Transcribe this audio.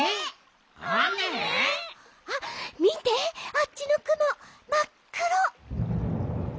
あみてあっちのくもまっくろ。